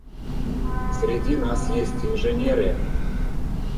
Среди нас есть инженеры?